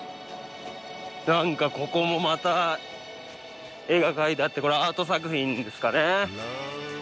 何かここもまた絵が描いてあってこれアート作品ですかね？